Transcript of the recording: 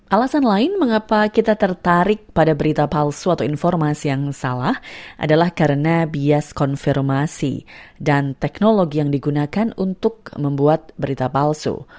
alasan lain mengapa kita tertarik pada berita palsu atau informasi yang salah adalah karena bias konfirmasi dan teknologi yang digunakan untuk membuat berita palsu